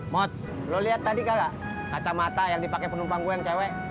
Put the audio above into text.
mod lo liat tadi kagak kacamata yang dipake penumpang gue yang cewek